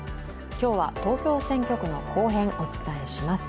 今日は東京選挙区の後編をお伝えします。